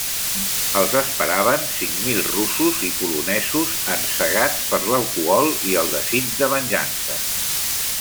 Els esperaven cinc mil russos i polonesos encegats per l'alcohol i el desig de venjança.